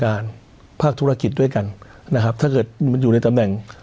ภาคธุรกิจด้วยกันนะครับถ้าเกิดมันอยู่ในตำแหน่ง